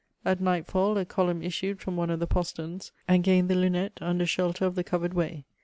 At nightfall, a column issued from one of the posterns, and gained the lunette under shelter of the covered way.